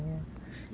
gak tau ada yang nanya